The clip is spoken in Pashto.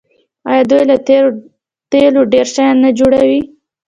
آیا دوی له تیلو ډیر شیان نه جوړوي؟